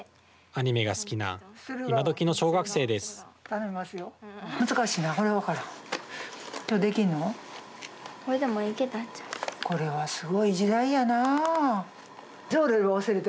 アニメが好きな、今どきの小学生です。